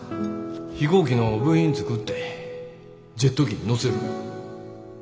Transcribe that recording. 飛行機の部品作ってジェット機に載せる。